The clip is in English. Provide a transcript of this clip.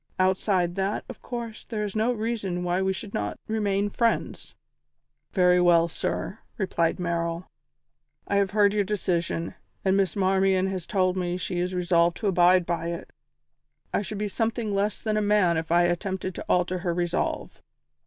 Outside that, of course, there is no reason why we should not remain friends." "Very well, sir," replied Merrill, "I have heard your decision, and Miss Marmion has told me she is resolved to abide by it; I should be something less than a man if I attempted to alter her resolve.